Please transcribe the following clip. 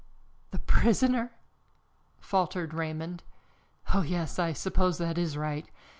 "The prisoner!" faltered Raymond. "Oh, yes, I suppose that is right.